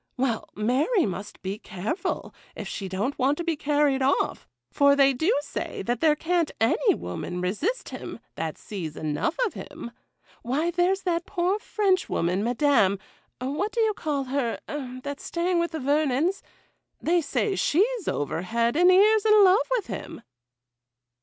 Well, Mary must be careful, if she don't want to be carried off; for they do say that there can't any woman resist him, that sees enough of him. Why, there's that poor Frenchwoman, Madame —— what do you call her, that's staying with the Vernons?—they say she's over head and ears in love with him.